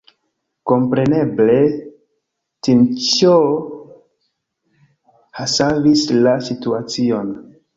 Kompreneble, Tinĉjo savis la situacion.